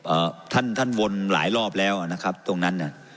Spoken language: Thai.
เอ่อท่านท่านวนหลายรอบแล้วอ่ะนะครับตรงนั้นน่ะ